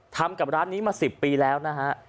ทำกับร้านนี้มา๑๐ปีแล้วนะฮะ